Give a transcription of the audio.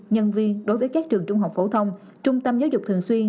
nhân viên đối với các trường trung học phổ thông trung tâm giáo dục thường xuyên